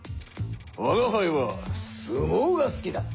吾輩は相撲が好きだ。